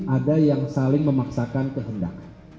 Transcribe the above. ada yang saling memaksakan kehendak